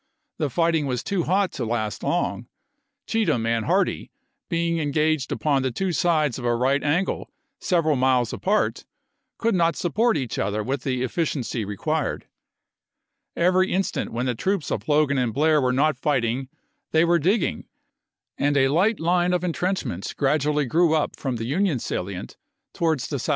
The fighting was too hot to last long; Cheatham and Hardee, being engaged upon the two sides of a right angle several miles apart, could not support each other with the efficiency re quired. Every instant when the troops of Logan and Blair were not fighting they were digging, and a light line of intrenchments gradually grew up from the Union salient towards the southwest, which was called " Leggett's Hill " from the gallant charge which General M.